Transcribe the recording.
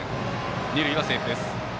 二塁はセーフです。